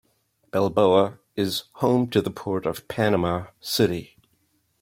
Balboa is home to the port of Panama City.